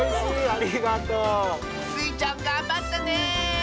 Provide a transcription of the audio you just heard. ありがとう！スイちゃんがんばったね！